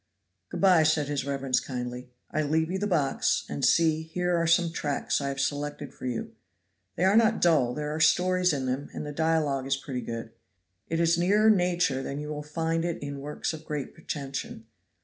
"Good by," said his reverence kindly. "I leave you the box; and see, here are some tracts I have selected for you. They are not dull; there are stories in them, and the dialogue is pretty good. It is nearer nature than you will find it in works of greater pretension.